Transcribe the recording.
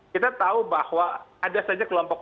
kita tahu bahwa ada saja kelompok